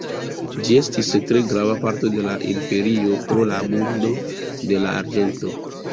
Ĝi estis tre grava parto de la imperio pro la abundo de arĝento.